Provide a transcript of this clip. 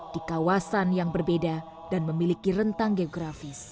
di kawasan yang berbeda dan memiliki rentang geografis